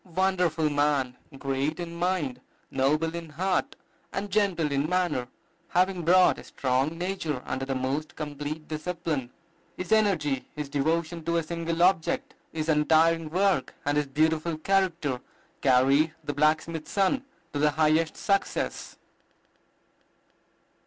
Wonderful man! great in mind, noble in heart, and gentle in manner, having brought a strong nature under the most complete discipline. His energy, his devotion to a single object, his untiring work, and his beautiful character carried the blacksmith's son to the highest success.